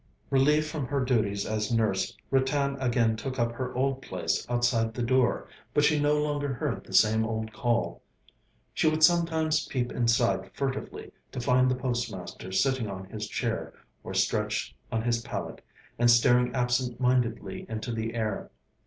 Relieved from her duties as nurse, Ratan again took up her old place outside the door. But she no longer heard the same old call. She would sometimes peep inside furtively to find the postmaster sitting on his chair, or stretched on his pallet, and staring absent mindedly into the air.